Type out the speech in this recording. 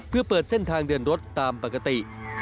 เพื่อเปิดเส้นทางเดินรถตามปกติ